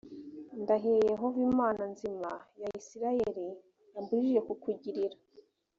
ndahiye yehova imana nzima ya isirayeli yambujije kukugirira